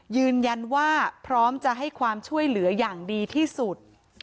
ยืนยันว่าพร้อมจะให้ความช่วยเหลืออย่างดีที่สุด